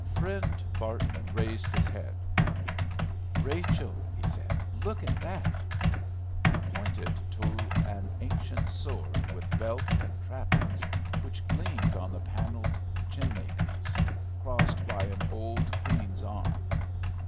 Friend Barton raised his head: "Rachel," he said, "look at that!" He pointed upward to an ancient sword with belt and trappings which gleamed on the paneled chimney piece, crossed by an old queen's arm.